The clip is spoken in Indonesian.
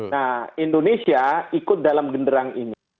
nah indonesia ikut dalam genderang ini